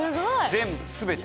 全部全て。